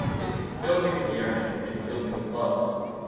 It filled me with yearning; it filled me with love.